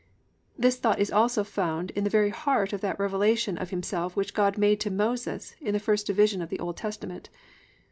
This thought is also found in the very heart of that revelation of Himself which God made to Moses in the first division of the Old Testament.